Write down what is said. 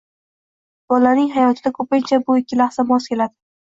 Bolaning hayotida ko‘pincha bu ikki lahza mos keladi.